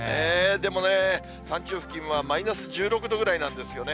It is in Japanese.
でもね、山頂付近はマイナス１６度ぐらいなんですよね。